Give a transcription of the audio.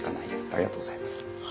ありがとうございます」。